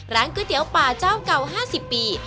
ก๋วยเตี๋ยวป่าเจ้าเก่า๕๐ปี